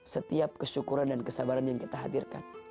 setiap kesyukuran dan kesabaran yang kita hadirkan